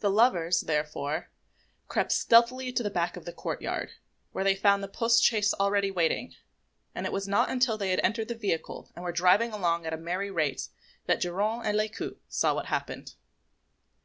The lovers, therefore, crept stealthily to the back of the courtyard, where they found the post chaise already waiting; and it was not until they had entered the vehicle and were driving along at a merry rate that Geronte and Lescaut saw what had happened.